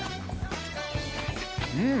うん！